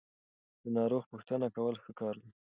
د ناروغ پوښتنه کول ښه کار دی.